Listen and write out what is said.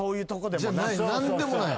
何でもない。